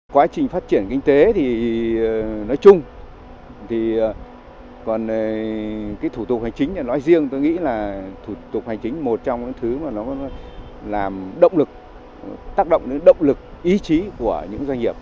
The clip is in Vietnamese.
quá trình phát triển kinh tế thì nói chung thì còn cái thủ tục hành chính này nói riêng tôi nghĩ là thủ tục hành chính một trong những thứ mà nó làm động lực tác động đến động lực ý chí của những doanh nghiệp